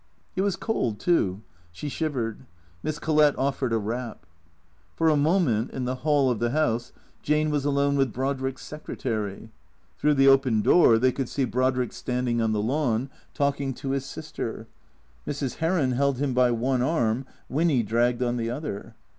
It was cold, too. She shivered. Miss Collett offered a wrap. For a moment, in the hall of the house, Jane was alone with Brodrick's secretary. Through the open door they could see Brodrick standing on the lawn, talking to his sister. Mrs. Heron held him by one arm, Winny dragged on the other.